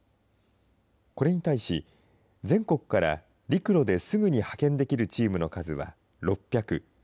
これに対し、全国から陸路ですぐに派遣できるチームの数は６００。